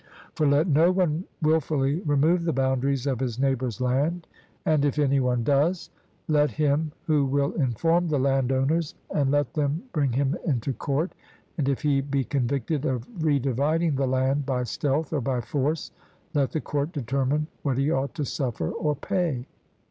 For let no one wilfully remove the boundaries of his neighbour's land, and if any one does, let him who will inform the landowners, and let them bring him into court, and if he be convicted of re dividing the land by stealth or by force, let the court determine what he ought to suffer or pay.